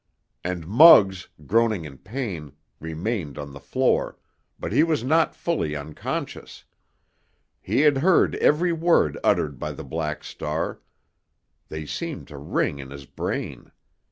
And Muggs, groaning in pain, remained on the floor, but he was not fully unconscious. He had heard every word uttered by the Black Star—they seemed to ring in his brain.